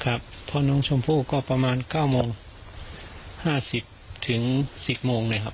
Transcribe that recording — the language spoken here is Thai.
เพราะน้องชมพู่ก็ประมาณ๙โมง๕๐ถึง๑๐โมงเลยครับ